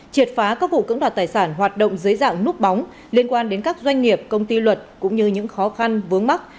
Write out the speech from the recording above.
triệt phá các vụ cưỡng đoạt tài sản hoạt động dưới dạng núp bóng liên quan đến các doanh nghiệp công ty luật cũng như những khó khăn vướng mắt